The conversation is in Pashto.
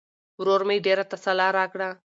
ورور مې ډېره تسلا راکړه.